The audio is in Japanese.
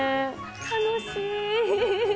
楽しい。